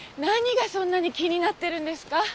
何がそんなに気になってるんですか？